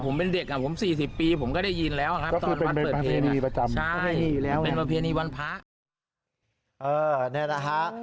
คือเป็นประเภทพินีประจำ